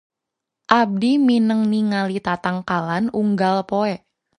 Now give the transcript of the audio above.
Abdi mindeng ningali tatangkalan unggal poe.